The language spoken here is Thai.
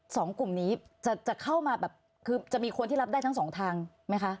สองกลุ่มนี้จะจะเข้ามาแบบคือจะมีคนที่รับได้ทั้งสองทางไหมคะ